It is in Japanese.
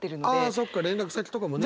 あそっか連絡先とかもね。